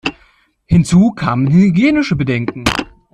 Hinzu kamen hygienische Bedenken.